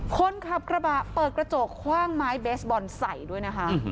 คนขับกระบะเปิดกระจกคว่างไม้เบสบอลใส่ด้วยนะคะ